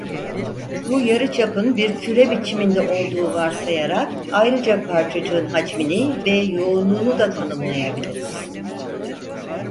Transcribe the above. Bu yarıçapın bir küre biçiminde olduğu varsayarak ayrıca parçacığın hacmini ve yoğunluğunu da tanımlayabiliriz.